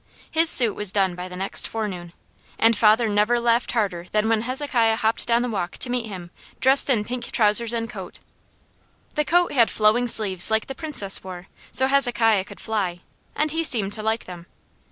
His suit was done by the next forenoon, and father never laughed harder than when Hezekiah hopped down the walk to meet him dressed in pink trousers and coat. The coat had flowing sleeves like the Princess wore, so Hezekiah could fly, and he seemed to like them.